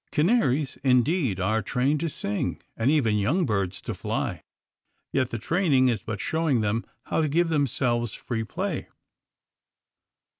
Canaries, indeed, are trained to sing, and even young birds to fly. Yet the training is but showing them how to give themselves free play.